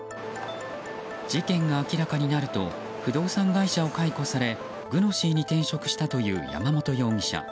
事件が明らかになると不動産会社を解雇されＧｕｎｏｓｙに転職したという山本容疑者。